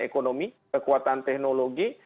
ekonomi kekuatan teknologi